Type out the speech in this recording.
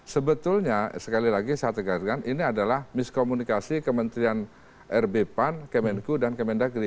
sebetulnya sekali lagi saya tegaskan ini adalah miskomunikasi kementerian rb pan kemenku dan kemendagri